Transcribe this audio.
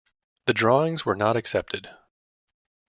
The drawings were not accepted.